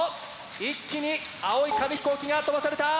一気に青い紙ヒコーキが飛ばされた！